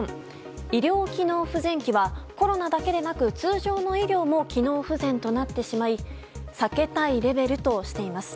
４医療機能不全期はコロナだけでなく通常の医療も機能不全となってしまい避けたいレベルとしています。